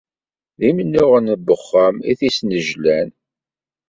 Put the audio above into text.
D imennuɣen n wexxam i t-isnejlan.